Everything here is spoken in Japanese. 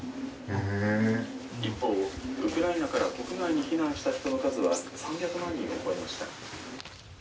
「一方ウクライナから国外に避難した人の数は３００万人を超えました」。